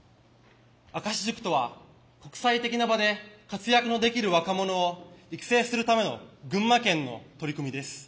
明石塾とは国際的な場で活躍のできる若者を育成するための群馬県の取り組みです。